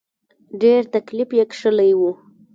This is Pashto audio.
ډېر تکليف یې کشلی و.